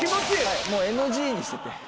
もうＮＧにしてて。